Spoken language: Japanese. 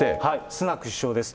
スナク首相です。